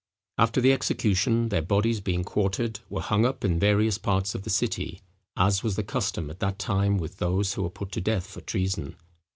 After the execution, their bodies, being quartered, were hung up in various parts of the city, as was the custom at that time with those who were put to death for treason.